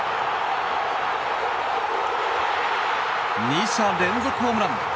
２者連続ホームラン。